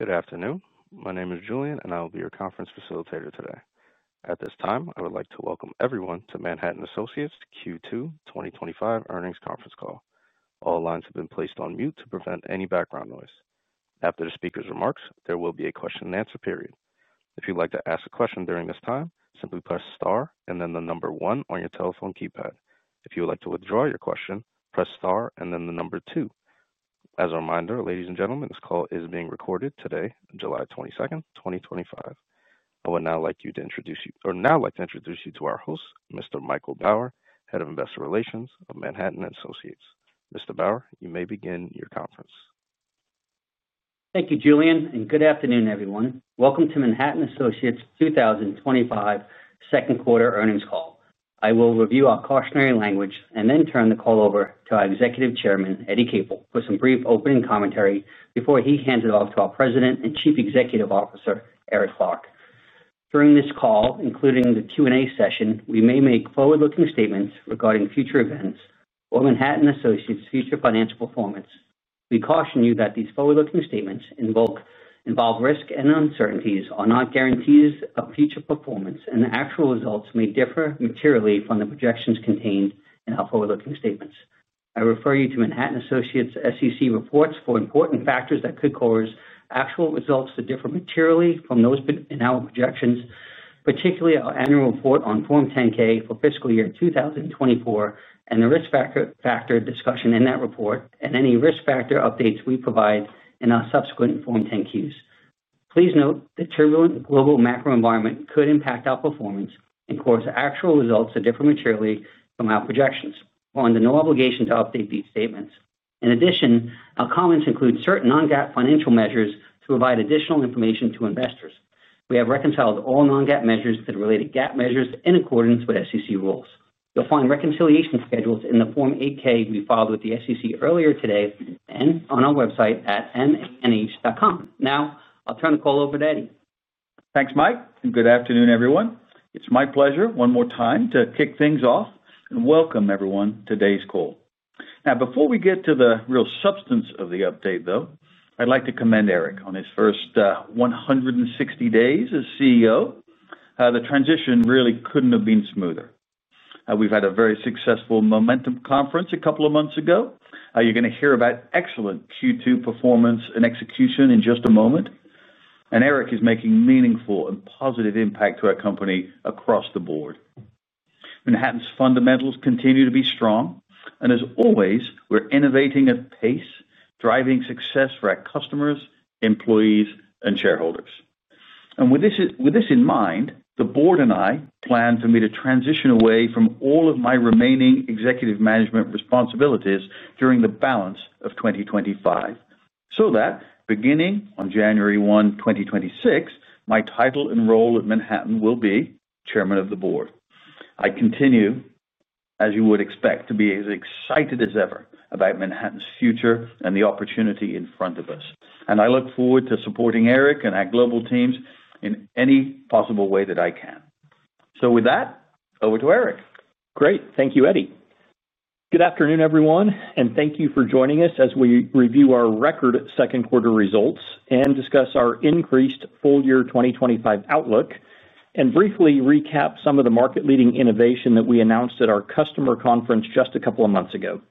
Good afternoon. My name is Julian, and I will be your conference facilitator today. At this time, I would like to welcome everyone to Manhattan Associates Q2 2025 earnings conference call. All lines have been placed on mute to prevent any background noise. After the speaker's remarks, there will be a question-and-answer period. If you'd like to ask a question during this time, simply press star and then the number one on your telephone keypad. If you would like to withdraw your question, press star and then the number two. As a reminder, ladies and gentlemen, this call is being recorded today, July 22, 2025. I would now like to introduce you to our host, Mr. Michael Bauer, Head of Investor Relations of Manhattan Associates. Mr. Bauer, you may begin your conference. Thank you, Julian, and good afternoon, everyone. Welcome to Manhattan Associates' 2025 second-quarter earnings call. I will review our cautionary language and then turn the call over to our Executive Chairman, Eddie Capel, for some brief opening commentary before he hands it off to our President and Chief Executive Officer, Eric Clark. During this call, including the Q&A session, we may make forward-looking statements regarding future events or Manhattan Associates' future financial performance. We caution you that these forward-looking statements involve risk and uncertainties. Our guarantees of future performance and the actual results may differ materially from the projections contained in our forward-looking statements. I refer you to Manhattan Associates' SEC reports for important factors that could cause actual results to differ materially from those in our projections, particularly our annual report on Form 10-K for fiscal year 2024 and the risk factor discussion in that report and any risk factor updates we provide in our subsequent Form 10-Qs. Please note the turbulent global macro environment could impact our performance and cause actual results to differ materially from our projections. We're under no obligation to update these statements. In addition, our comments include certain non-GAAP financial measures to provide additional information to investors. We have reconciled all non-GAAP measures to the related GAAP measures in accordance with SEC rules. You'll find reconciliation schedules in the Form 8-K we filed with the SEC earlier today and on our website at manh.com. Now, I'll turn the call over to Eddie. Thanks, Mike. Good afternoon, everyone. It's my pleasure one more time to kick things off and welcome everyone to today's call. Now, before we get to the real substance of the update, I'd like to commend Eric on his first 160 days as CEO. The transition really couldn't have been smoother. We've had a very successful Momentum conference a couple of months ago. You're going to hear about excellent Q2 performance and execution in just a moment. Eric is making a meaningful and positive impact to our company across the board. Manhattan's fundamentals continue to be strong. As always, we're innovating at pace, driving success for our customers, employees, and shareholders. With this in mind, the board and I plan for me to transition away from all of my remaining executive management responsibilities during the balance of 2025 so that, beginning on January 1, 2026, my title and role at Manhattan will be Chairman of the Board. I continue, as you would expect, to be as excited as ever about Manhattan's future and the opportunity in front of us. I look forward to supporting Eric and our global teams in any possible way that I can. With that, over to Eric. Great. Thank you, Eddie. Good afternoon, everyone. Thank you for joining us as we review our record second-quarter results and discuss our increased full-year 2025 outlook and briefly recap some of the market-leading innovation that we announced at our customer conference just a couple of months ago.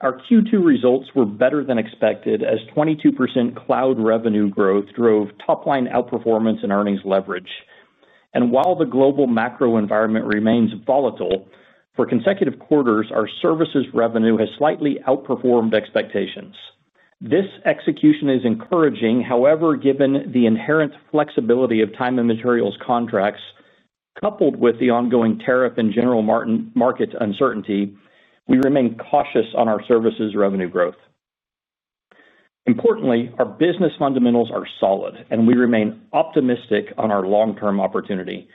Our Q2 results were better than expected as 22% cloud revenue growth drove top-line outperformance and earnings leverage. While the global macro environment remains volatile, for consecutive quarters, our services revenue has slightly outperformed expectations. This execution is encouraging. However, given the inherent flexibility of time and materials contracts, coupled with the ongoing tariff and general market uncertainty, we remain cautious on our services revenue growth. Importantly, our business fundamentals are solid, and we remain optimistic on our long-term opportunity.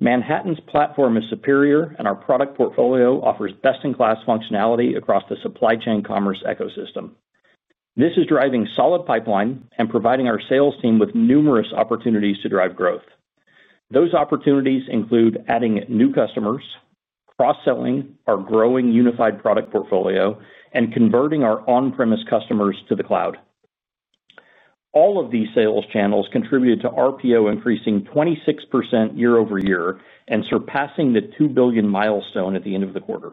Manhattan's platform is superior, and our product portfolio offers best-in-class functionality across the supply chain commerce ecosystem. This is driving solid pipeline and providing our sales team with numerous opportunities to drive growth. Those opportunities include adding new customers, cross-selling our growing unified product portfolio, and converting our on-premise customers to the cloud. All of these sales channels contributed to RPO increasing 26% year-over-year and surpassing the $2 billion milestone at the end of the quarter.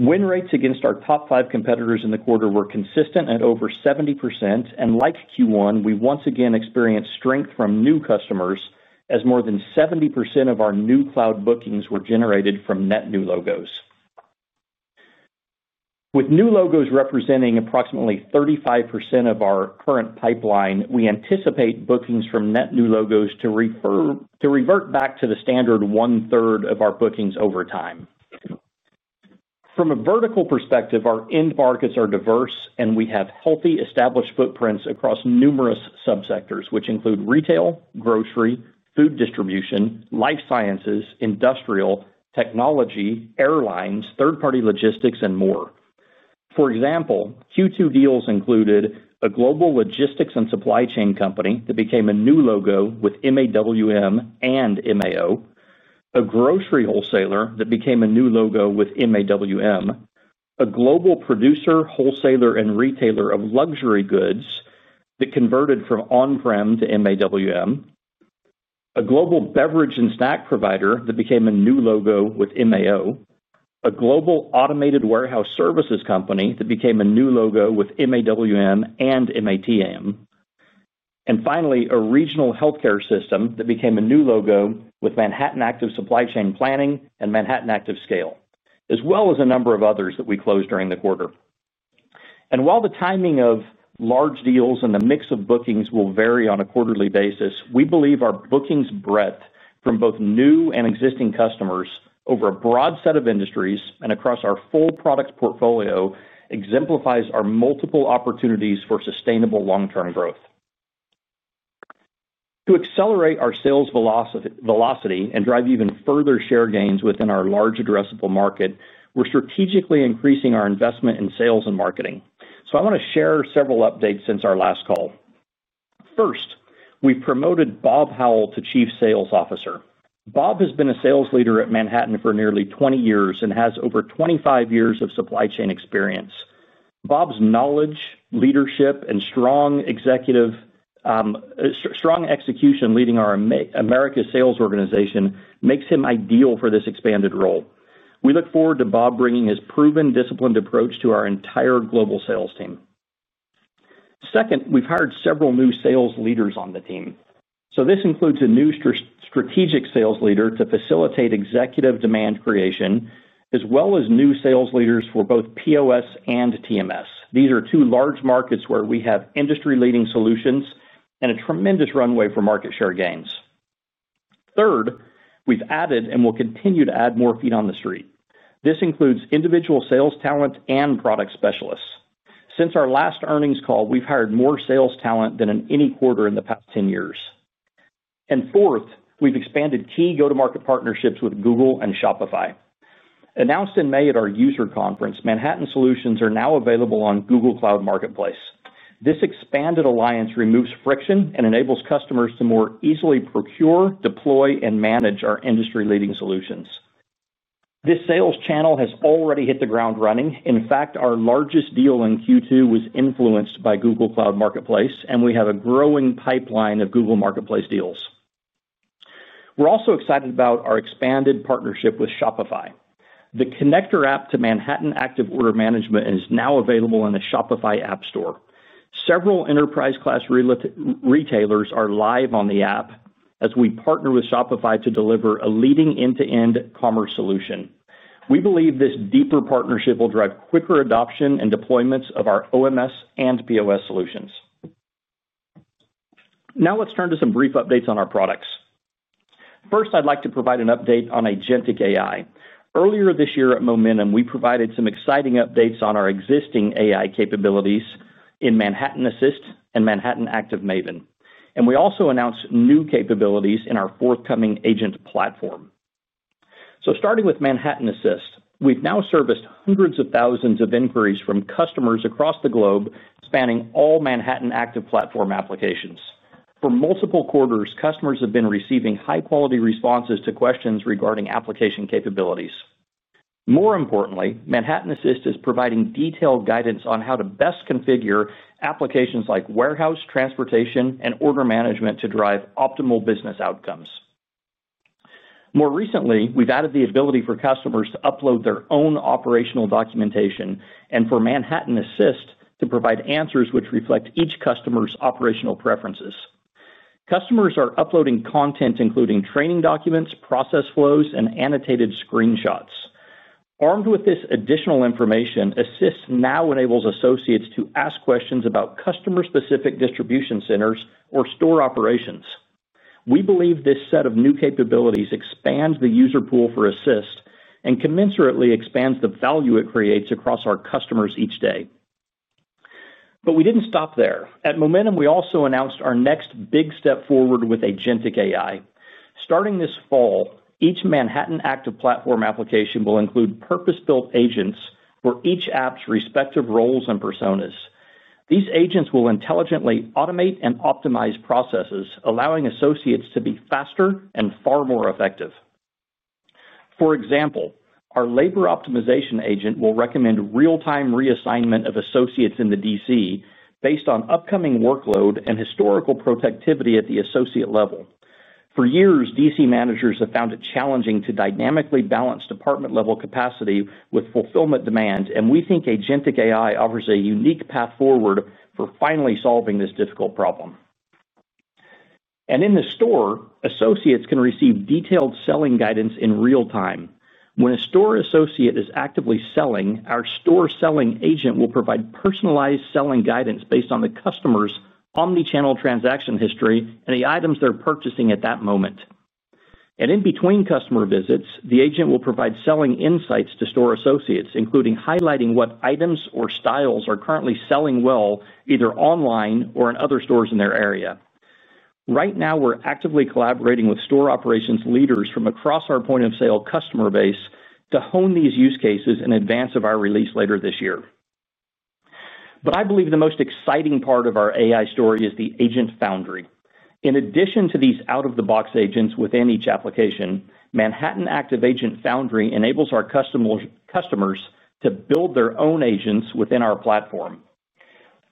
Win rates against our top five competitors in the quarter were consistent at over 70%. Like Q1, we once again experienced strength from new customers as more than 70% of our new cloud bookings were generated from net new logos. With new logos representing approximately 35% of our current pipeline, we anticipate bookings from net new logos to revert back to the standard one-third of our bookings over time. From a vertical perspective, our end markets are diverse, and we have healthy established footprints across numerous subsectors, which include retail, grocery, food distribution, life sciences, industrial, technology, airlines, third-party logistics, and more. For example, Q2 deals included a global logistics and supply chain company that became a new logo with MAWM and MAO, a grocery wholesaler that became a new logo with MAWM, a global producer, wholesaler, and retailer of luxury goods that converted from on-prem to MAWM, a global beverage and snack provider that became a new logo with MAO, a global automated warehouse services company that became a new logo with MAWM and MATM, and finally, a regional healthcare system that became a new logo with Manhattan Active Supply Chain Planning and Manhattan Active Scale, as well as a number of others that we closed during the quarter. While the timing of large deals and the mix of bookings will vary on a quarterly basis, we believe our bookings breadth from both new and existing customers over a broad set of industries and across our full product portfolio exemplifies our multiple opportunities for sustainable long-term growth. To accelerate our sales velocity and drive even further share gains within our large addressable market, we're strategically increasing our investment in sales and marketing. I want to share several updates since our last call. First, we've promoted Bob Howell to Chief Sales Officer. Bob has been a sales leader at Manhattan for nearly 20 years and has over 25 years of supply chain experience. Bob's knowledge, leadership, and strong execution leading our America sales organization makes him ideal for this expanded role. We look forward to Bob bringing his proven disciplined approach to our entire global sales team. Second, we've hired several new sales leaders on the team. This includes a new strategic sales leader to facilitate executive demand creation, as well as new sales leaders for both POS and TMS. These are two large markets where we have industry-leading solutions and a tremendous runway for market share gains. Third, we've added and will continue to add more feet on the street. This includes individual sales talent and product specialists. Since our last earnings call, we've hired more sales talent than in any quarter in the past 10 years. Fourth, we've expanded key go-to-market partnerships with Google and Shopify. Announced in May at our user conference, Manhattan solutions are now available on Google Cloud Marketplace. This expanded alliance removes friction and enables customers to more easily procure, deploy, and manage our industry-leading solutions. This sales channel has already hit the ground running. In fact, our largest deal in Q2 was influenced by Google Cloud Marketplace, and we have a growing pipeline of Google Marketplace deals. We're also excited about our expanded partnership with Shopify. The connector app to Manhattan Active Order Management is now available in the Shopify App Store. Several enterprise-class retailers are live on the app as we partner with Shopify to deliver a leading end-to-end commerce solution. We believe this deeper partnership will drive quicker adoption and deployments of our OMS and POS solutions. Now let's turn to some brief updates on our products. First, I'd like to provide an update on Agentic AI. Earlier this year at Momentum, we provided some exciting updates on our existing AI capabilities in Manhattan Assist and Manhattan Active Maven. We also announced new capabilities in our forthcoming agent platform. Starting with Manhattan Assist, we've now serviced hundreds of thousands of inquiries from customers across the globe spanning all Manhattan Active Platform applications. For multiple quarters, customers have been receiving high-quality responses to questions regarding application capabilities. More importantly, Manhattan Assist is providing detailed guidance on how to best configure applications like warehouse, transportation, and order management to drive optimal business outcomes. More recently, we've added the ability for customers to upload their own operational documentation and for Manhattan Assist to provide answers which reflect each customer's operational preferences. Customers are uploading content including training documents, process flows, and annotated screenshots. Armed with this additional information, Assist now enables associates to ask questions about customer-specific distribution centers or store operations. We believe this set of new capabilities expands the user pool for Assist and commensurately expands the value it creates across our customers each day. We did not stop there. At Momentum, we also announced our next big step forward with Agentic AI. Starting this fall, each Manhattan Active Platform application will include purpose-built agents for each app's respective roles and personas. These agents will intelligently automate and optimize processes, allowing associates to be faster and far more effective. For example, our labor optimization agent will recommend real-time reassignment of associates in the DC based on upcoming workload and historical productivity at the associate level. For years, DC managers have found it challenging to dynamically balance department-level capacity with fulfillment demands, and we think Agentic AI offers a unique path forward for finally solving this difficult problem. In the store, associates can receive detailed selling guidance in real time. When a store associate is actively selling, our store selling agent will provide personalized selling guidance based on the customer's omnichannel transaction history and the items they are purchasing at that moment. In between customer visits, the agent will provide selling insights to store associates, including highlighting what items or styles are currently selling well either online or in other stores in their area. Right now, we are actively collaborating with store operations leaders from across our point-of-sale customer base to hone these use cases in advance of our release later this year. I believe the most exciting part of our AI story is the agent foundry. In addition to these out-of-the-box agents within each application, Manhattan Active Agent Foundry enables our customers to build their own agents within our platform.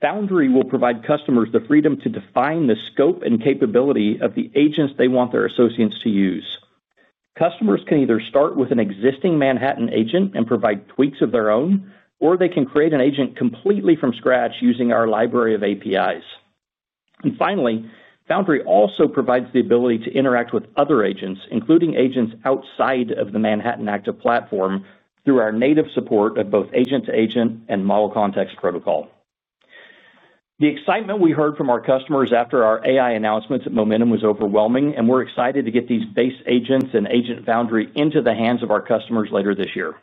Foundry will provide customers the freedom to define the scope and capability of the agents they want their associates to use. Customers can either start with an existing Manhattan agent and provide tweaks of their own, or they can create an agent completely from scratch using our library of APIs. Finally, Foundry also provides the ability to interact with other agents, including agents outside of the Manhattan Active Platform, through our native support of both agent-to-agent and model context protocol. The excitement we heard from our customers after our AI announcements at Momentum was overwhelming, and we are excited to get these base agents and agent foundry into the hands of our customers later this year.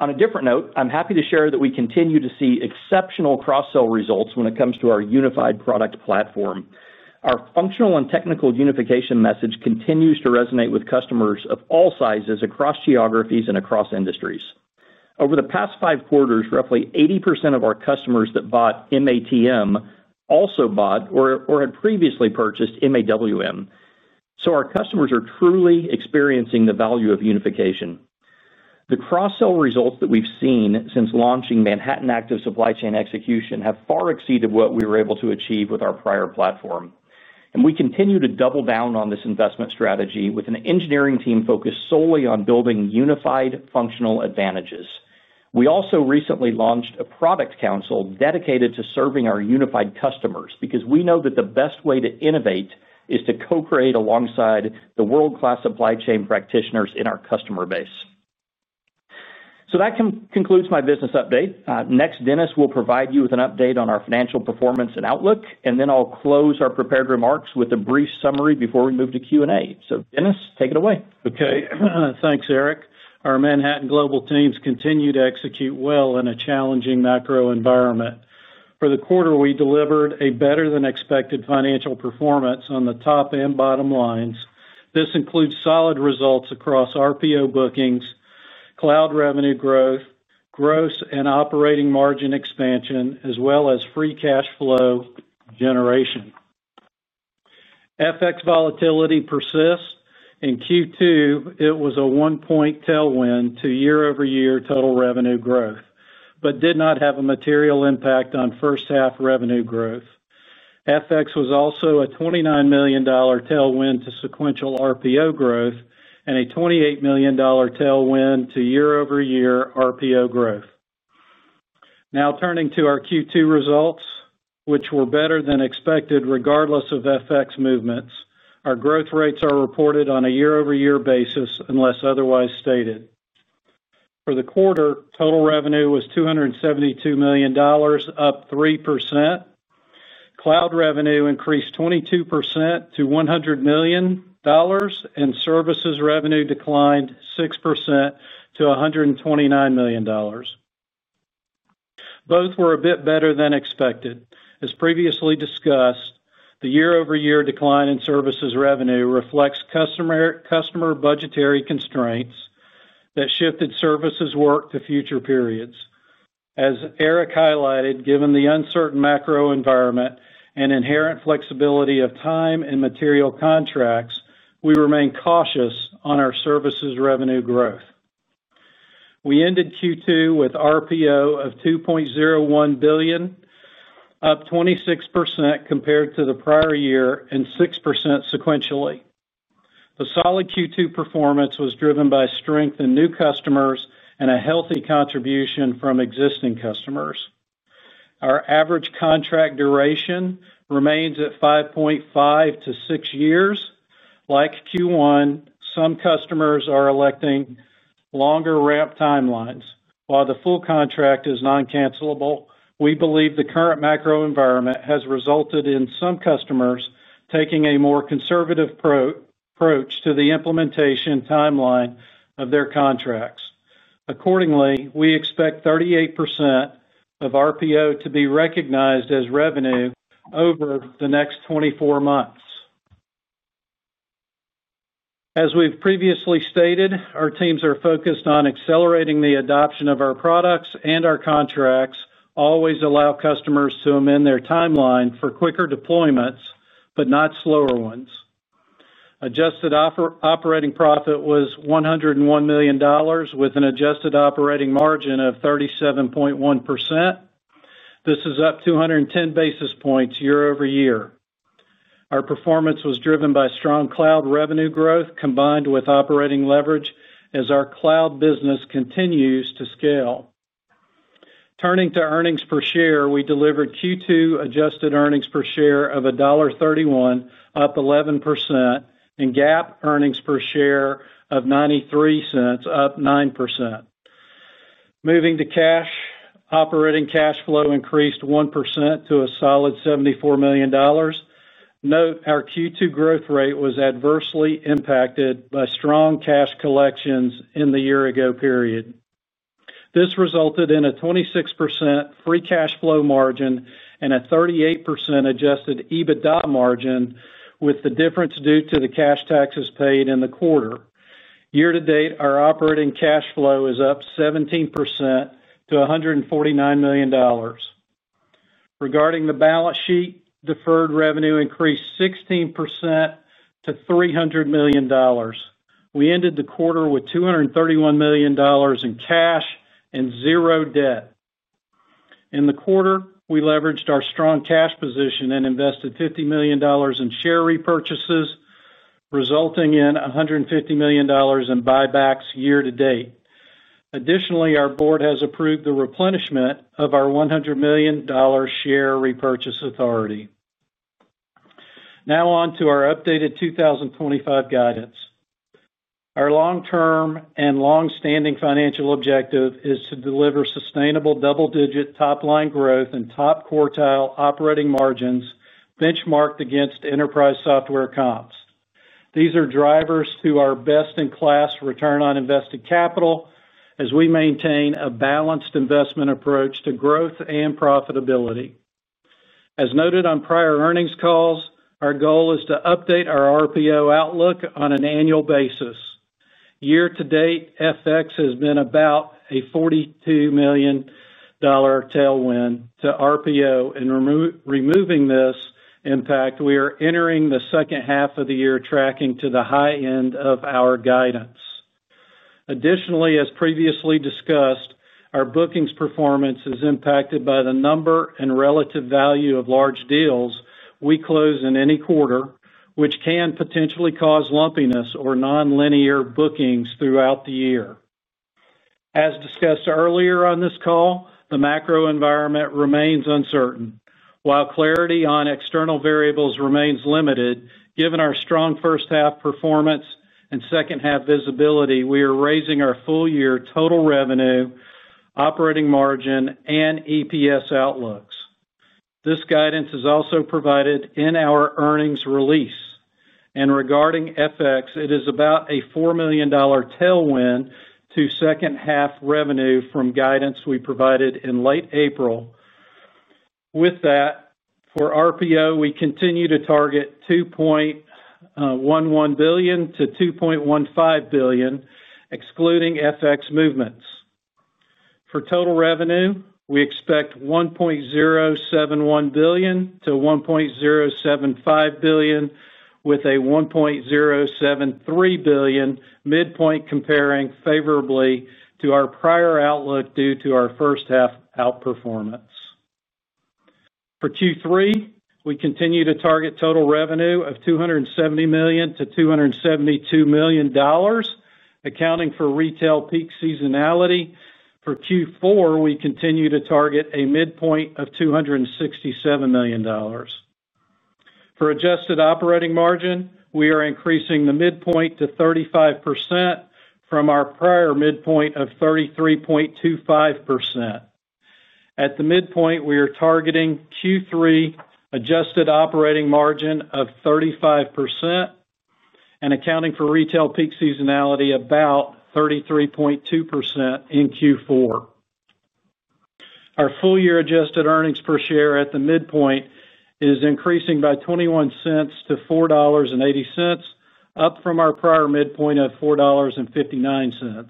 On a different note, I am happy to share that we continue to see exceptional cross-sell results when it comes to our unified product platform. Our functional and technical unification message continues to resonate with customers of all sizes across geographies and across industries. Over the past five quarters, roughly 80% of our customers that bought MATM also bought or had previously purchased MAWM. Our customers are truly experiencing the value of unification. The cross-sell results that we have seen since launching Manhattan Active Supply Chain Execution have far exceeded what we were able to achieve with our prior platform. We continue to double down on this investment strategy with an engineering team focused solely on building unified functional advantages. We also recently launched a product council dedicated to serving our unified customers because we know that the best way to innovate is to co-create alongside the world-class supply chain practitioners in our customer base. That concludes my business update. Next, Dennis will provide you with an update on our financial performance and outlook, and then I'll close our prepared remarks with a brief summary before we move to Q&A. Dennis, take it away. Okay. Thanks, Eric. Our Manhattan Global teams continue to execute well in a challenging macro environment. For the quarter, we delivered a better-than-expected financial performance on the top and bottom lines. This includes solid results across RPO bookings, cloud revenue growth, gross and operating margin expansion, as well as free cash flow generation. FX volatility persists. In Q2, it was a one-point tailwind to year-over-year total revenue growth but did not have a material impact on first-half revenue growth. FX was also a $29 million tailwind to sequential RPO growth and a $28 million tailwind to year-over-year RPO growth. Now turning to our Q2 results, which were better than expected regardless of FX movements, our growth rates are reported on a year-over-year basis unless otherwise stated. For the quarter, total revenue was $272 million, up 3%. Cloud revenue increased 22% to $100 million. Services revenue declined 6% to $129 million. Both were a bit better than expected. As previously discussed, the year-over-year decline in services revenue reflects customer budgetary constraints that shifted services work to future periods. As Eric highlighted, given the uncertain macro environment and inherent flexibility of time and material contracts, we remain cautious on our services revenue growth. We ended Q2 with RPO of $2.01 billion, up 26% compared to the prior year and 6% sequentially. The solid Q2 performance was driven by strength in new customers and a healthy contribution from existing customers. Our average contract duration remains at 5.5-6 years. Like Q1, some customers are electing longer ramp timelines. While the full contract is non-cancelable, we believe the current macro environment has resulted in some customers taking a more conservative approach to the implementation timeline of their contracts. Accordingly, we expect 38% of RPO to be recognized as revenue over the next 24 months. As we've previously stated, our teams are focused on accelerating the adoption of our products and our contracts always allow customers to amend their timeline for quicker deployments but not slower ones. Adjusted operating profit was $101 million with an adjusted operating margin of 37.1%. This is up 210 basis points year-over-year. Our performance was driven by strong cloud revenue growth combined with operating leverage as our cloud business continues to scale. Turning to earnings per share, we delivered Q2 adjusted earnings per share of $1.31, up 11%, and GAAP earnings per share of $0.93, up 9%. Moving to cash, operating cash flow increased 1% to a solid $74 million. Note, our Q2 growth rate was adversely impacted by strong cash collections in the year-ago period. This resulted in a 26% free cash flow margin and a 38% adjusted EBITDA margin with the difference due to the cash taxes paid in the quarter. Year-to-date, our operating cash flow is up 17% to $149 million. Regarding the balance sheet, deferred revenue increased 16% to $300 million. We ended the quarter with $231 million in cash and zero debt. In the quarter, we leveraged our strong cash position and invested $50 million in share repurchases, resulting in $150 million in buybacks year-to-date. Additionally, our board has approved the replenishment of our $100 million share repurchase authority. Now on to our updated 2025 guidance. Our long-term and long-standing financial objective is to deliver sustainable double-digit top-line growth and top quartile operating margins benchmarked against enterprise software comps. These are drivers to our best-in-class return on invested capital as we maintain a balanced investment approach to growth and profitability. As noted on prior earnings calls, our goal is to update our RPO outlook on an annual basis. Year-to-date, FX has been about a $42 million tailwind to RPO, and removing this impact, we are entering the second half of the year tracking to the high end of our guidance. Additionally, as previously discussed, our bookings performance is impacted by the number and relative value of large deals we close in any quarter, which can potentially cause lumpiness or non-linear bookings throughout the year. As discussed earlier on this call, the macro environment remains uncertain. While clarity on external variables remains limited, given our strong first-half performance and second-half visibility, we are raising our full-year total revenue, operating margin, and EPS outlooks. This guidance is also provided in our earnings release. Regarding FX, it is about a $4 million tailwind to second-half revenue from guidance we provided in late April. With that, for RPO, we continue to target $2.11 billion-$2.15 billion, excluding FX movements. For total revenue, we expect $1.071 billion-$1.075 billion, with a $1.073 billion midpoint comparing favorably to our prior outlook due to our first-half outperformance. For Q3, we continue to target total revenue of $270 million-$272 million. Accounting for retail peak seasonality, for Q4, we continue to target a midpoint of $267 million. For adjusted operating margin, we are increasing the midpoint to 35% from our prior midpoint of 33.25%. At the midpoint, we are targeting Q3 adjusted operating margin of 35%. Accounting for retail peak seasonality, about 33.2% in Q4. Our full-year adjusted earnings per share at the midpoint is increasing by $0.21 to $4.80, up from our prior midpoint of $4.59,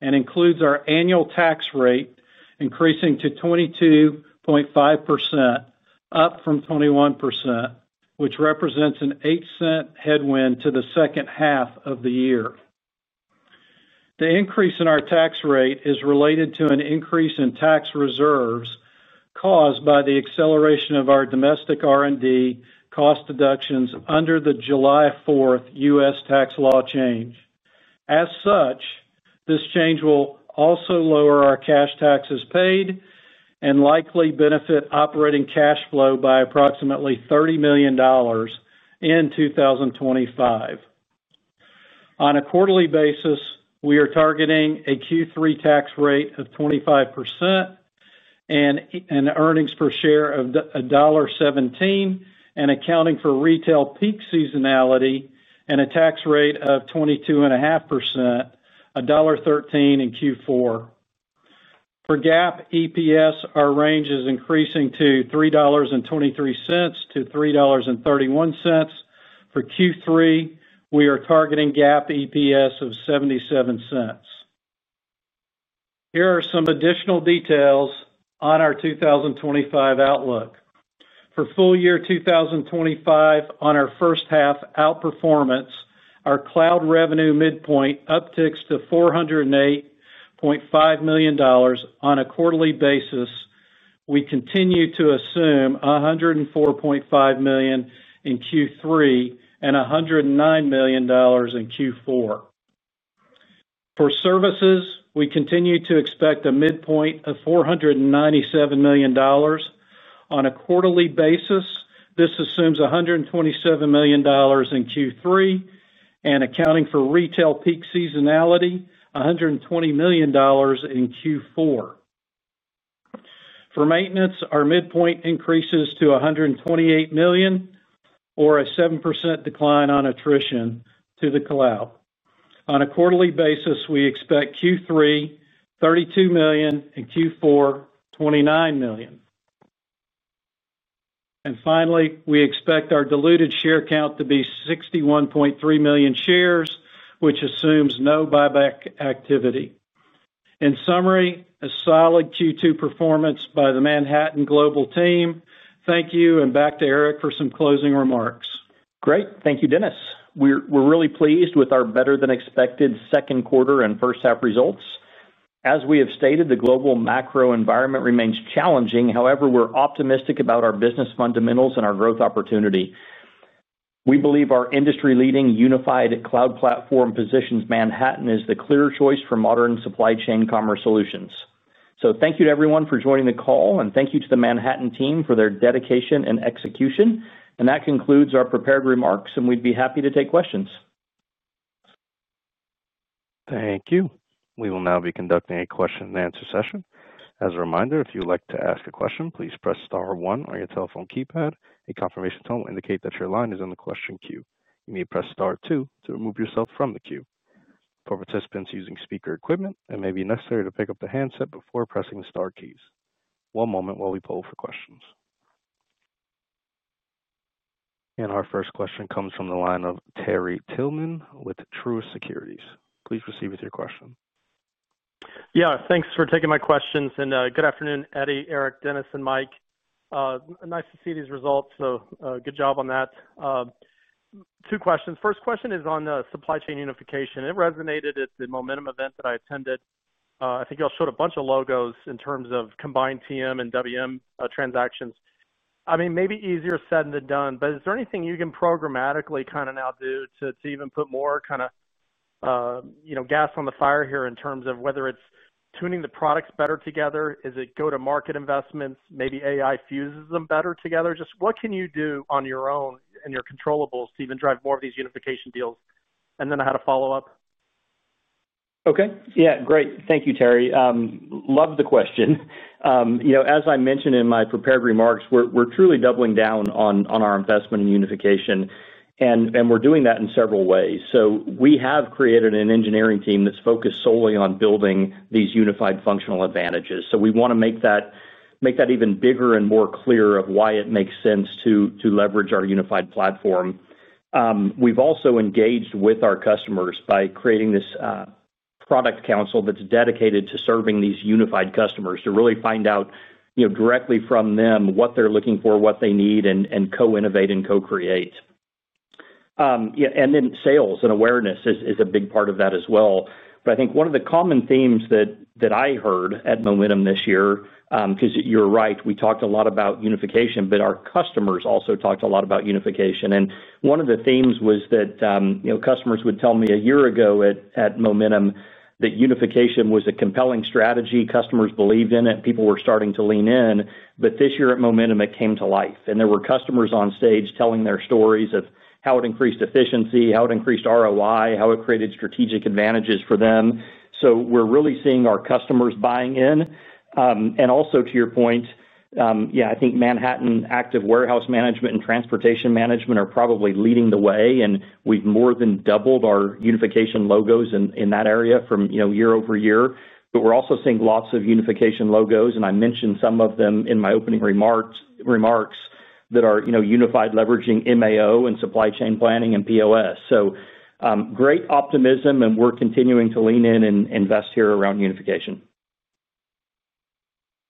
and includes our annual tax rate increasing to 22.5%, up from 21%, which represents an $0.08 headwind to the second half of the year. The increase in our tax rate is related to an increase in tax reserves caused by the acceleration of our domestic R&D cost deductions under the July 4th US tax law change. As such, this change will also lower our cash taxes paid and likely benefit operating cash flow by approximately $30 million in 2025. On a quarterly basis, we are targeting a Q3 tax rate of 25% and an earnings per share of $1.17, and accounting for retail peak seasonality and a tax rate of 22.5%, $1.13 in Q4. For GAAP EPS, our range is increasing to $3.23-$3.31. For Q3, we are targeting GAAP EPS of $0.77. Here are some additional details on our 2025 outlook. For full-year 2025, on our first-half outperformance, our cloud revenue midpoint upticks to $408.5 million on a quarterly basis. We continue to assume $104.5 million in Q3 and $109 million in Q4. For services, we continue to expect a midpoint of $497 million. On a quarterly basis, this assumes $127 million in Q3 and, accounting for retail peak seasonality, $120 million in Q4. For maintenance, our midpoint increases to $128 million, or a 7% decline on attrition to the cloud. On a quarterly basis, we expect Q3 $32 million and Q4 $29 million. And finally, we expect our diluted share count to be 61.3 million shares, which assumes no buyback activity. In summary, a solid Q2 performance by the Manhattan Global team. Thank you, and back to Eric for some closing remarks. Great. Thank you, Dennis. We're really pleased with our better-than-expected second quarter and first-half results. As we have stated, the global macro environment remains challenging. However, we're optimistic about our business fundamentals and our growth opportunity. We believe our industry-leading unified cloud platform positions Manhattan as the clear choice for modern supply chain commerce solutions. Thank you to everyone for joining the call, and thank you to the Manhattan team for their dedication and execution. That concludes our prepared remarks, and we'd be happy to take questions. Thank you. We will now be conducting a question-and-answer session. As a reminder, if you would like to ask a question, please press star one on your telephone keypad. A confirmation tone will indicate that your line is in the question queue. You may press star two to remove yourself from the queue. For participants using speaker equipment, it may be necessary to pick up the handset before pressing the star keys. One moment while we poll for questions. Our first question comes from the line of Terry Tillman with Truist Securities. Please proceed with your question. Yeah. Thanks for taking my questions, and good afternoon, Eddie, Eric, Dennis, and Mike. Nice to see these results, so good job on that. Two questions. First question is on supply chain unification. It resonated at the momentum event that I attended. I think y'all showed a bunch of logos in terms of combined TM and WM transactions. I mean, maybe easier said than done, but is there anything you can programmatically kind of now do to even put more kind of gas on the fire here in terms of whether it is tuning the products better together? Is it go-to-market investments? Maybe AI fuses them better together. Just what can you do on your own and your controllable to even drive more of these unification deals? And then I had a follow-up. Okay. Yeah. Great. Thank you, Terry. Love the question. As I mentioned in my prepared remarks, we are truly doubling down on our investment in unification, and we are doing that in several ways. We have created an engineering team that is focused solely on building these unified functional advantages. We want to make that even bigger and more clear of why it makes sense to leverage our unified platform. We have also engaged with our customers by creating this product council that is dedicated to serving these unified customers to really find out directly from them what they are looking for, what they need, and co-innovate and co-create. Sales and awareness is a big part of that as well. I think one of the common themes that I heard at Momentum this year, because you are right, we talked a lot about unification, but our customers also talked a lot about unification. One of the themes was that customers would tell me a year ago at Momentum that unification was a compelling strategy. Customers believed in it. People were starting to lean in. This year at Momentum, it came to life. There were customers on stage telling their stories of how it increased efficiency, how it increased ROI, how it created strategic advantages for them. We are really seeing our customers buying in. Also, to your point, yeah, I think Manhattan Active Warehouse Management and Transportation Management are probably leading the way, and we have more than doubled our unification logos in that area from year over year. We are also seeing lots of unification logos, and I mentioned some of them in my opening remarks that are unified, leveraging MAO and supply chain planning and POS. Great optimism, and we are continuing to lean in and invest here around unification.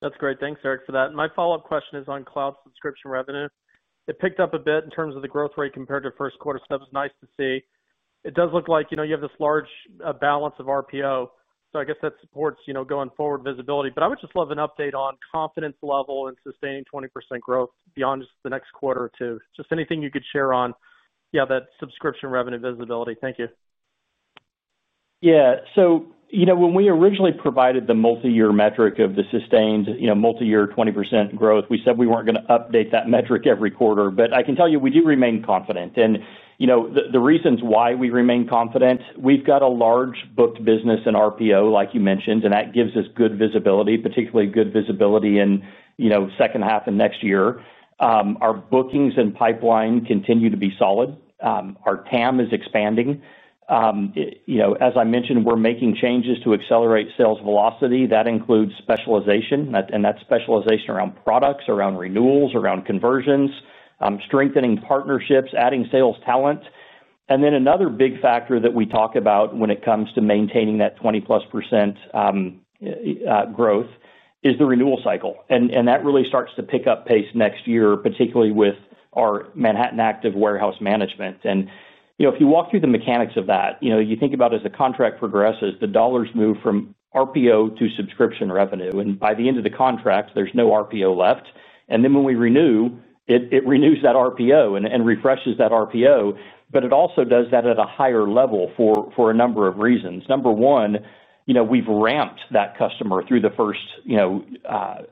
That is great. Thanks, Eric, for that. My follow-up question is on cloud subscription revenue. It picked up a bit in terms of the growth rate compared to first quarter, so that was nice to see. It does look like you have this large balance of RPO, so I guess that supports going forward visibility. I would just love an update on confidence level and sustaining 20% growth beyond just the next quarter or two. Just anything you could share on, yeah, that subscription revenue visibility. Thank you. Yeah. When we originally provided the multi-year metric of the sustained multi-year 20% growth, we said we were not going to update that metric every quarter. I can tell you we do remain confident. The reasons why we remain confident, we've got a large booked business in RPO, like you mentioned, and that gives us good visibility, particularly good visibility in second half and next year. Our bookings and pipeline continue to be solid. Our TAM is expanding. As I mentioned, we're making changes to accelerate sales velocity. That includes specialization, and that specialization around products, around renewals, around conversions, strengthening partnerships, adding sales talent. Another big factor that we talk about when it comes to maintaining that 20+% growth is the renewal cycle. That really starts to pick up pace next year, particularly with our Manhattan Active Warehouse Management. If you walk through the mechanics of that, you think about as the contract progresses, the dollars move from RPO to subscription revenue. By the end of the contract, there's no RPO left. When we renew, it renews that RPO and refreshes that RPO. It also does that at a higher level for a number of reasons. Number one, we've ramped that customer through the first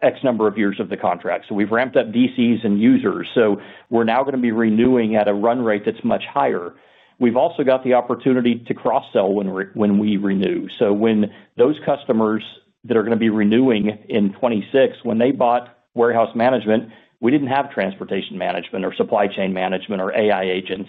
X number of years of the contract. We've ramped up VCs and users, so we're now going to be renewing at a run rate that's much higher. We've also got the opportunity to cross-sell when we renew. When those customers that are going to be renewing in 2026, when they bought warehouse management, we didn't have transportation management or supply chain management or AI agents.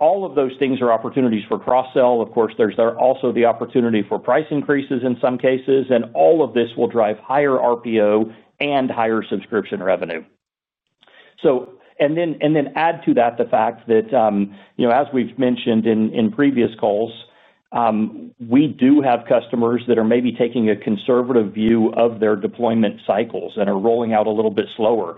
All of those things are opportunities for cross-sell. Of course, there's also the opportunity for price increases in some cases. All of this will drive higher RPO and higher subscription revenue. Add to that the fact that, as we've mentioned in previous calls, we do have customers that are maybe taking a conservative view of their deployment cycles and are rolling out a little bit slower.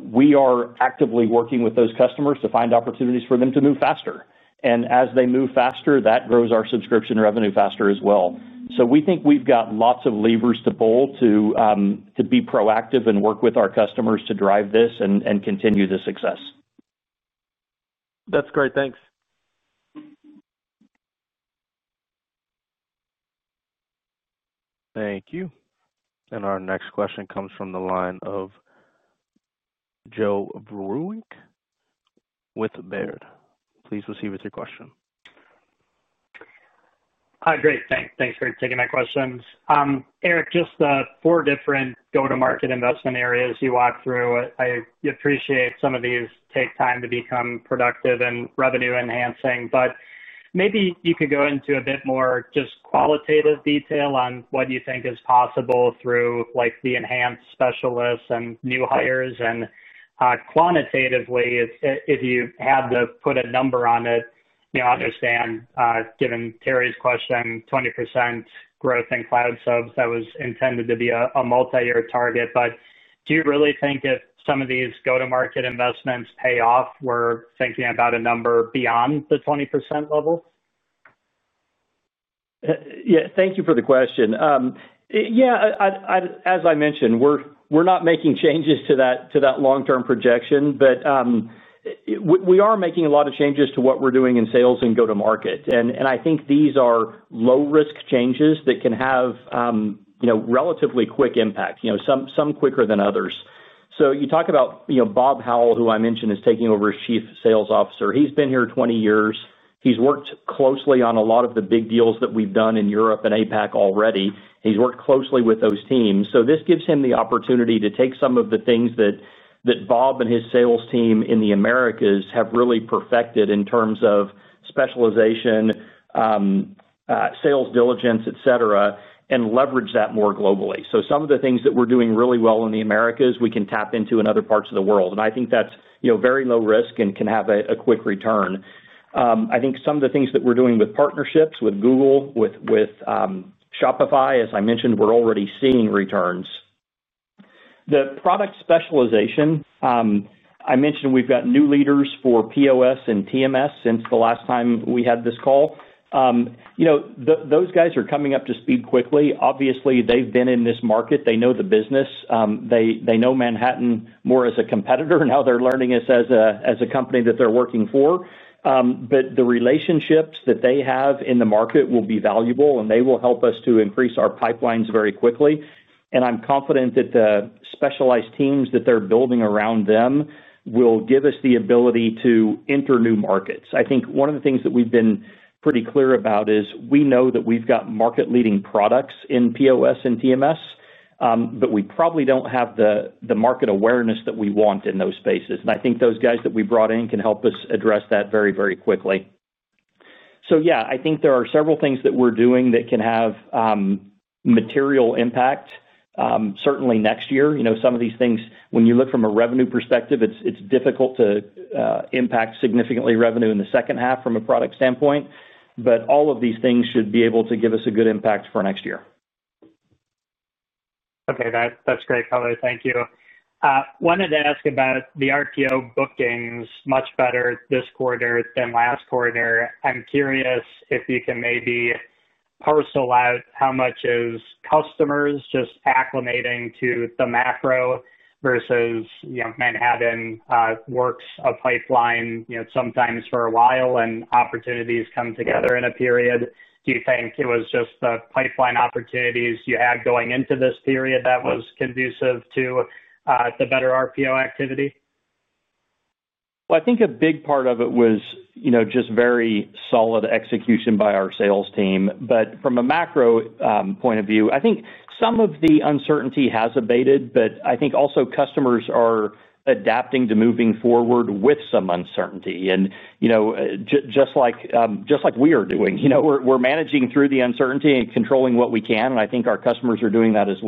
We are actively working with those customers to find opportunities for them to move faster. As they move faster, that grows our subscription revenue faster as well. We think we've got lots of levers to pull to be proactive and work with our customers to drive this and continue the success. That's great. Thanks. Thank you. Our next question comes from the line of Joe Vruwink with Baird. Please proceed with your question. Hi. Great. Thanks. Thanks for taking my questions. Eric, just the four different go-to-market investment areas you walked through, I appreciate some of these take time to become productive and revenue-enhancing. Maybe you could go into a bit more just qualitative detail on what you think is possible through the enhanced specialists and new hires. Quantitatively, if you had to put a number on it, I understand given Terry's question, 20% growth in cloud subs, that was intended to be a multi-year target. But do you really think if some of these go-to-market investments pay off, we're thinking about a number beyond the 20% level? Yeah. Thank you for the question. Yeah. As I mentioned, we're not making changes to that long-term projection, but we are making a lot of changes to what we're doing in sales and go-to-market. I think these are low-risk changes that can have relatively quick impact, some quicker than others. You talk about Bob Howell, who I mentioned is taking over as Chief Sales Officer. He's been here 20 years. He's worked closely on a lot of the big deals that we've done in Europe and APAC already. He's worked closely with those teams. This gives him the opportunity to take some of the things that Bob and his sales team in the Americas have really perfected in terms of specialization, sales diligence, etc., and leverage that more globally. Some of the things that we're doing really well in the Americas, we can tap into in other parts of the world. I think that's very low risk and can have a quick return. I think some of the things that we're doing with partnerships, with Google, with Shopify, as I mentioned, we're already seeing returns. The product specialization. I mentioned we've got new leaders for POS and TMS since the last time we had this call. Those guys are coming up to speed quickly. Obviously, they've been in this market. They know the business. They know Manhattan more as a competitor. Now they're learning us as a company that they're working for. The relationships that they have in the market will be valuable, and they will help us to increase our pipelines very quickly. I'm confident that the specialized teams that they're building around them will give us the ability to enter new markets. I think one of the things that we've been pretty clear about is we know that we've got market-leading products in POS and TMS, but we probably don't have the market awareness that we want in those spaces. I think those guys that we brought in can help us address that very, very quickly. Yeah, I think there are several things that we're doing that can have material impact, certainly next year. Some of these things, when you look from a revenue perspective, it's difficult to impact significantly revenue in the second half from a product standpoint. All of these things should be able to give us a good impact for next year. Okay. That's great, Eric. Thank you. Wanted to ask about the RPO bookings much better this quarter than last quarter. I'm curious if you can maybe parcel out how much is customers just acclimating to the macro versus Manhattan works a pipeline sometimes for a while and opportunities come together in a period. Do you think it was just the pipeline opportunities you had going into this period that was conducive to the better RPO activity? I think a big part of it was just very solid execution by our sales team. From a macro point of view, I think some of the uncertainty has abated, but I think also customers are adapting to moving forward with some uncertainty. Just like we are doing, we are managing through the uncertainty and controlling what we can, and I think our customers are doing that as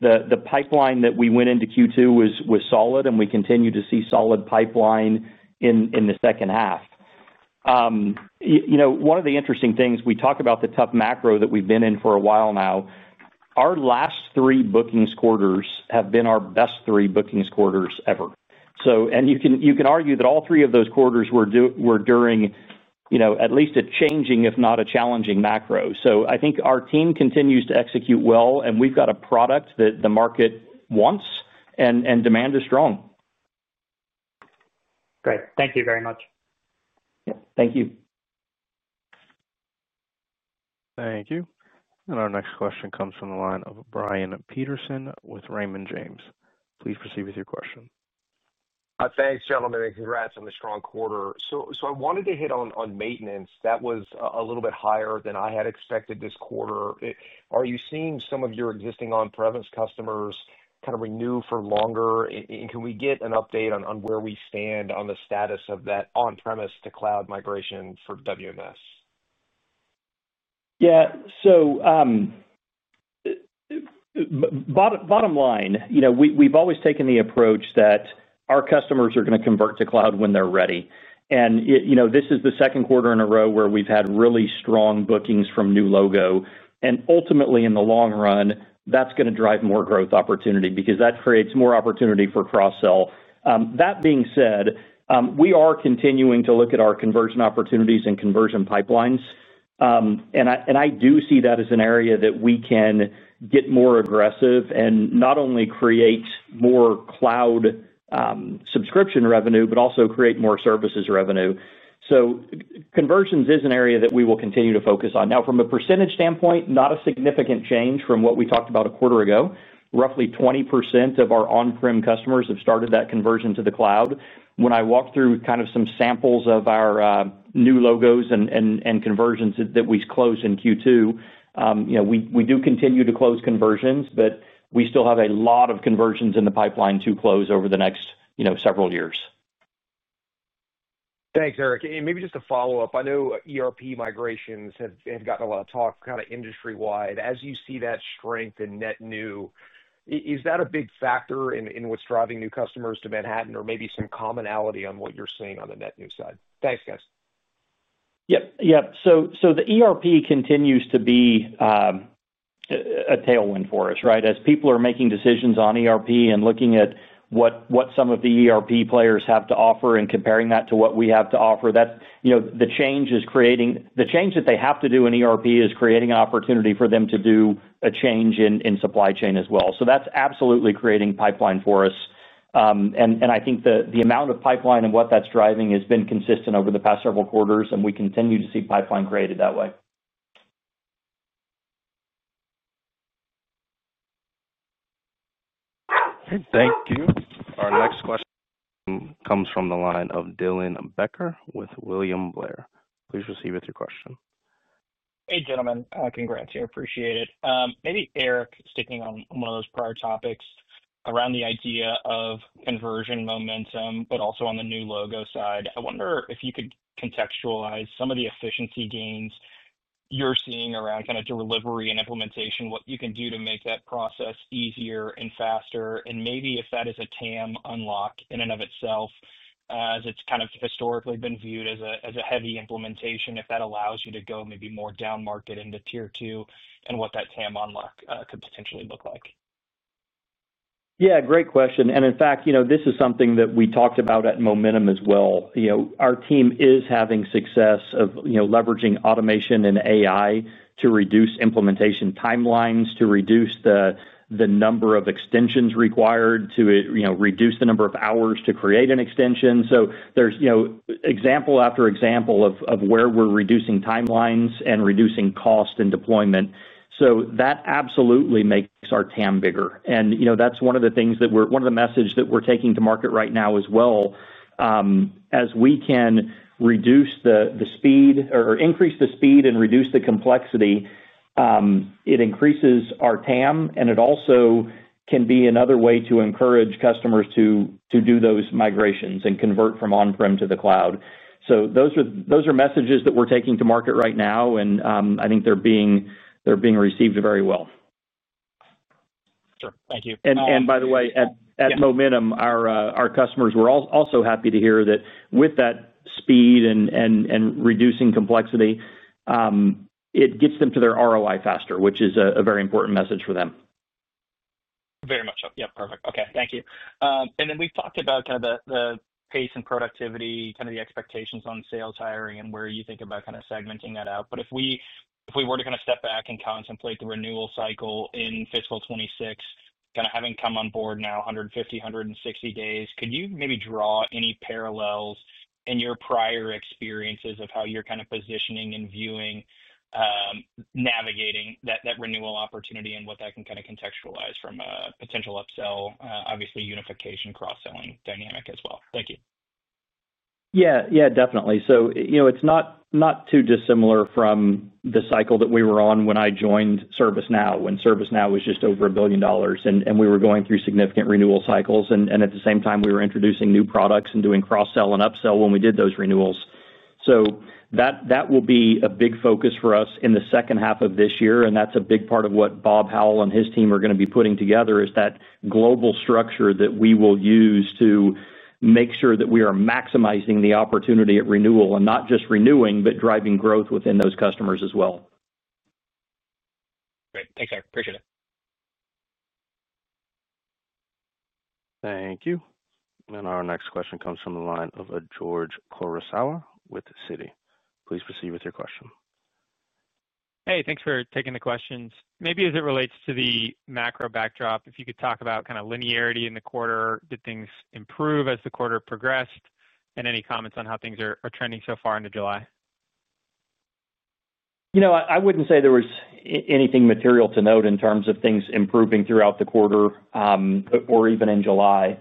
well. The pipeline that we went into Q2 with was solid, and we continue to see solid pipeline in the second half. One of the interesting things, we talk about the tough macro that we have been in for a while now. Our last three bookings quarters have been our best three bookings quarters ever. You can argue that all three of those quarters were during at least a changing, if not a challenging macro. I think our team continues to execute well, and we have got a product that the market wants, and demand is strong. Great. Thank you very much. Yeah. Thank you. Thank you. Our next question comes from the line of Brian Peterson with Raymond James. Please proceed with your question. Thanks, gentlemen, and congrats on the strong quarter. I wanted to hit on maintenance. That was a little bit higher than I had expected this quarter. Are you seeing some of your existing on-premise customers kind of renew for longer? Can we get an update on where we stand on the status of that on-premise to cloud migration for WMS? Yeah. Bottom line, we have always taken the approach that our customers are going to convert to cloud when they are ready. This is the second quarter in a row where we have had really strong bookings from new logo. Ultimately, in the long run, that is going to drive more growth opportunity because that creates more opportunity for cross-sell. That being said, we are continuing to look at our conversion opportunities and conversion pipelines. I do see that as an area that we can get more aggressive and not only create more cloud subscription revenue, but also create more services revenue. Conversions is an area that we will continue to focus on. Now, from a percentage standpoint, not a significant change from what we talked about a quarter ago. Roughly 20% of our on-prem customers have started that conversion to the cloud. When I walked through kind of some samples of our new logos and conversions that we closed in Q2, we do continue to close conversions, but we still have a lot of conversions in the pipeline to close over the next several years. Thanks, Eric. Maybe just a follow-up. I know ERP migrations have gotten a lot of talk kind of industry-wide. As you see that strength in net new. Is that a big factor in what's driving new customers to Manhattan or maybe some commonality on what you're seeing on the net new side? Thanks, guys. Yep. Yep. The ERP continues to be a tailwind for us, right? As people are making decisions on ERP and looking at what some of the ERP players have to offer and comparing that to what we have to offer, the change is creating the change that they have to do in ERP is creating an opportunity for them to do a change in supply chain as well. That is absolutely creating pipeline for us. I think the amount of pipeline and what that's driving has been consistent over the past several quarters, and we continue to see pipeline created that way. Thank you. Our next question comes from the line of Dylan Becker with William Blair. Please proceed with your question. Hey, gentlemen. Congrats. I appreciate it. Maybe, Eric, sticking on one of those prior topics around the idea of conversion momentum, but also on the new logo side, I wonder if you could contextualize some of the efficiency gains you're seeing around kind of delivery and implementation, what you can do to make that process easier and faster. Maybe if that is a TAM unlock in and of itself, as it's kind of historically been viewed as a heavy implementation, if that allows you to go maybe more down market into tier two and what that TAM unlock could potentially look like. Yeah. Great question. In fact, this is something that we talked about at momentum as well. Our team is having success leveraging automation and AI to reduce implementation timelines, to reduce the number of extensions required, to reduce the number of hours to create an extension. There is example after example of where we're reducing timelines and reducing cost and deployment. That absolutely makes our TAM bigger. That is one of the things that we're one of the messages that we're taking to market right now as well. As we can reduce the speed or increase the speed and reduce the complexity, it increases our TAM, and it also can be another way to encourage customers to do those migrations and convert from on-prem to the cloud. Those are messages that we're taking to market right now, and I think they're being received very well. Sure. Thank you. By the way, at momentum, our customers were also happy to hear that with that speed and reducing complexity, it gets them to their ROI faster, which is a very important message for them. Very much so. Yep. Perfect. Okay. Thank you. Then we've talked about kind of the pace and productivity, kind of the expectations on sales hiring and where you think about kind of segmenting that out. But if we were to kind of step back and contemplate the renewal cycle in fiscal 2026, kind of having come on board now, 150-160 days, could you maybe draw any parallels in your prior experiences of how you're kind of positioning and viewing. Navigating that renewal opportunity and what that can kind of contextualize from a potential upsell, obviously unification, cross-selling dynamic as well? Thank you. Yeah. Yeah. Definitely. It is not too dissimilar from the cycle that we were on when I joined ServiceNow, when ServiceNow was just over a billion dollars and we were going through significant renewal cycles. At the same time, we were introducing new products and doing cross-sell and upsell when we did those renewals. That will be a big focus for us in the second half of this year. That is a big part of what Bob Howell and his team are going to be putting together, that global structure that we will use to make sure that we are maximizing the opportunity at renewal and not just renewing, but driving growth within those customers as well. Great. Thanks, Eric. Appreciate it. Thank you. Our next question comes from the line of George Kurosawa with Citi. Please proceed with your question. Hey, thanks for taking the questions. Maybe as it relates to the macro backdrop, if you could talk about kind of linearity in the quarter, did things improve as the quarter progressed, and any comments on how things are trending so far into July? I would not say there was anything material to note in terms of things improving throughout the quarter. Or even in July.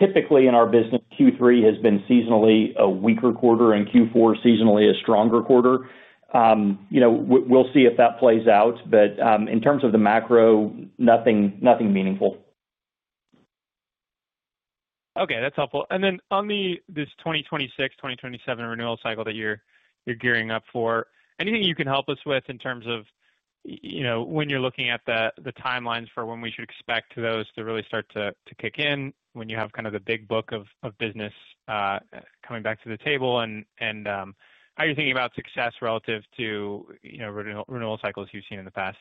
Typically, in our business, Q3 has been seasonally a weaker quarter and Q4 seasonally a stronger quarter. We will see if that plays out. In terms of the macro, nothing meaningful. Okay. That is helpful. Then on this 2026, 2027 renewal cycle that you are gearing up for, anything you can help us with in terms of when you are looking at the timelines for when we should expect those to really start to kick in, when you have kind of the big book of business coming back to the table, and how are you thinking about success relative to renewal cycles you have seen in the past?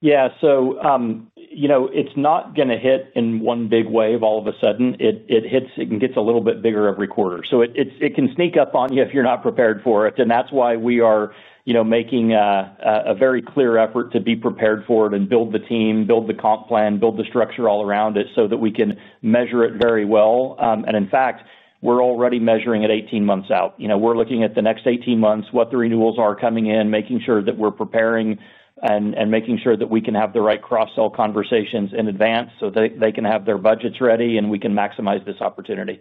Yeah. It is not going to hit in one big wave all of a sudden. It hits and gets a little bit bigger every quarter. It can sneak up on you if you are not prepared for it. That is why we are making a very clear effort to be prepared for it and build the team, build the comp plan, build the structure all around it so that we can measure it very well. In fact, we are already measuring at 18 months out. We're looking at the next 18 months, what the renewals are coming in, making sure that we're preparing and making sure that we can have the right cross-sell conversations in advance so they can have their budgets ready and we can maximize this opportunity.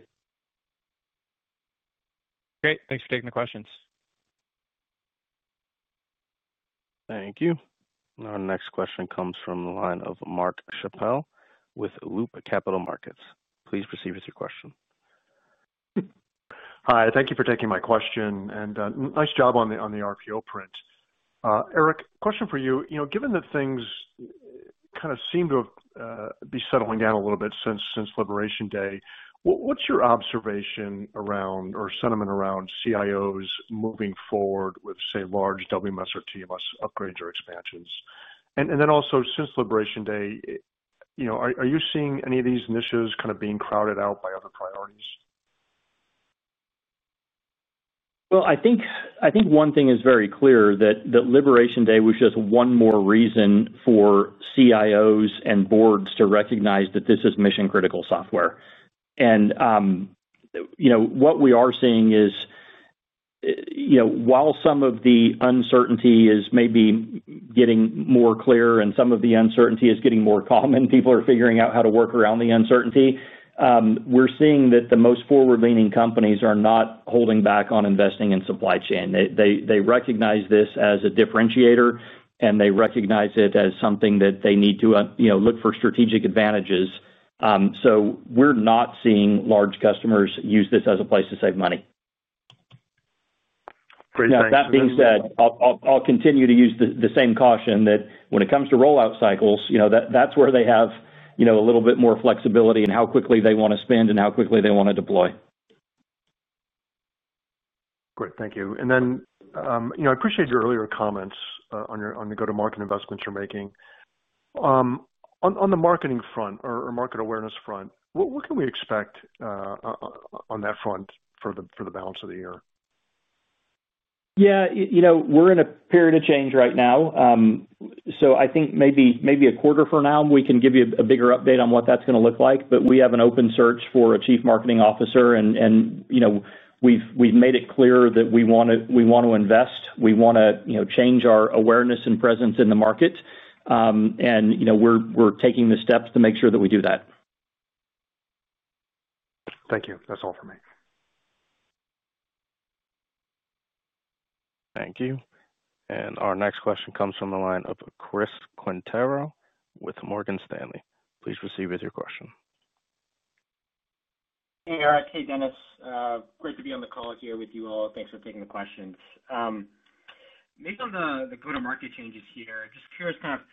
Great. Thanks for taking the questions. Thank you. Our next question comes from the line of Mark Chappell with Loop Capital Markets. Please proceed with your question. Hi. Thank you for taking my question. And nice job on the RPO print. Eric, question for you. Given that things kind of seem to be settling down a little bit since Liberation Day, what's your observation around or sentiment around CIOs moving forward with, say, large WMS or TMS upgrades or expansions? And then also, since Liberation Day, are you seeing any of these initiatives kind of being crowded out by other priorities? I think one thing is very clear that Liberation Day was just one more reason for CIOs and boards to recognize that this is mission-critical software. What we are seeing is, while some of the uncertainty is maybe getting more clear and some of the uncertainty is getting more common, people are figuring out how to work around the uncertainty. We're seeing that the most forward-leaning companies are not holding back on investing in supply chain. They recognize this as a differentiator, and they recognize it as something that they need to look for strategic advantages. We're not seeing large customers use this as a place to save money. Great thanks. Now, that being said, I'll continue to use the same caution that when it comes to rollout cycles, that's where they have a little bit more flexibility in how quickly they want to spend and how quickly they want to deploy. Great. Thank you. I appreciate your earlier comments on the go-to-market investments you're making. On the marketing front or market awareness front, what can we expect on that front for the balance of the year? Yeah. We're in a period of change right now. I think maybe a quarter from now, we can give you a bigger update on what that's going to look like. We have an open search for a Chief Marketing Officer, and we've made it clear that we want to invest. We want to change our awareness and presence in the market. We're taking the steps to make sure that we do that. Thank you. That's all for me. Thank you. Our next question comes from the line of Chris Quintero with Morgan Stanley. Please proceed with your question. Hey, Eric. Hey, Dennis. Great to be on the call here with you all. Thanks for taking the questions. Maybe on the go-to-market changes here, just curious kind of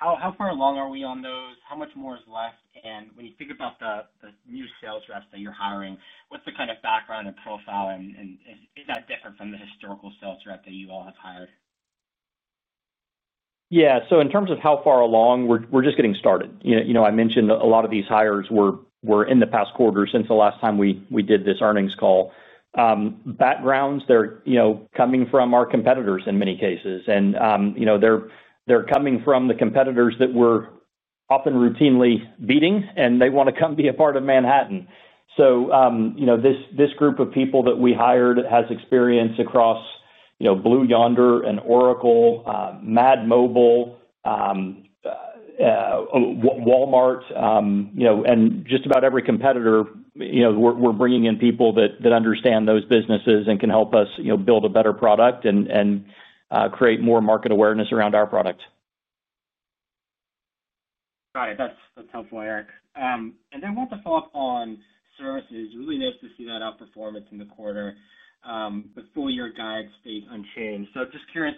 how far along are we on those, how much more is left, and when you think about the new sales reps that you're hiring, what's the kind of background and profile, and is that different from the historical sales rep that you all have hired? Yeah. In terms of how far along, we're just getting started. I mentioned a lot of these hires were in the past quarter since the last time we did this earnings call. Backgrounds, they're coming from our competitors in many cases. They're coming from the competitors that we're often routinely beating, and they want to come be a part of Manhattan. This group of people that we hired has experience across Blue Yonder and Oracle, Mad Mobile, Walmart, and just about every competitor. We're bringing in people that understand those businesses and can help us build a better product and create more market awareness around our product. Got it. That's helpful, Eric. We'll have to follow up on services. Really nice to see that outperformance in the quarter. The full-year guide stays unchanged. Just curious,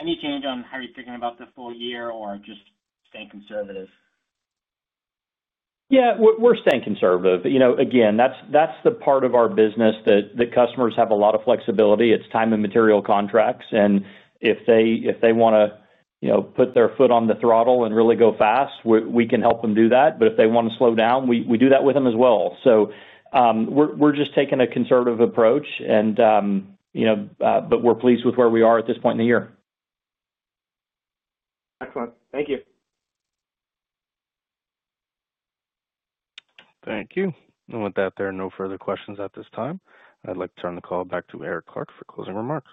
any change on how you're thinking about the full year or just staying conservative? Yeah. We're staying conservative. Again, that's the part of our business that customers have a lot of flexibility. It's time and material contracts. If they want to put their foot on the throttle and really go fast, we can help them do that. If they want to slow down, we do that with them as well. We're just taking a conservative approach, and we're pleased with where we are at this point in the year. Excellent. Thank you. Thank you. With that, there are no further questions at this time. I'd like to turn the call back to Eric Clark for closing remarks.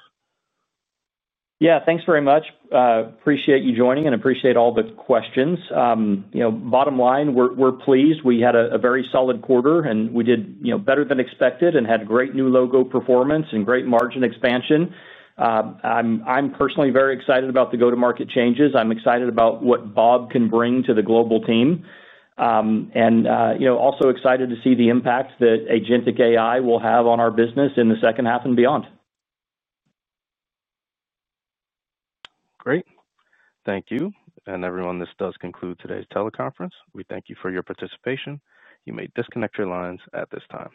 Yeah. Thanks very much. Appreciate you joining and appreciate all the questions. Bottom line, we're pleased. We had a very solid quarter, and we did better than expected and had great new logo performance and great margin expansion. I'm personally very excited about the go-to-market changes. I'm excited about what Bob can bring to the global team. Also excited to see the impact that agentic AI will have on our business in the second half and beyond. Great. Thank you. Everyone, this does conclude today's teleconference. We thank you for your participation. You may disconnect your lines at this time.